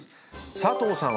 佐藤さんは。